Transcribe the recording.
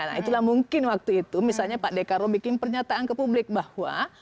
nah itulah mungkin waktu itu misalnya pak dekarwo bikin pernyataan ke publik bahwa